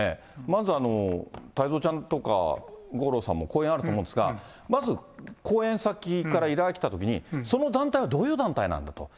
まず太蔵ちゃんとか五郎さんも講演あると思うんですが、まず、講演先から依頼が来たときにその団体がどういう団体なんだと。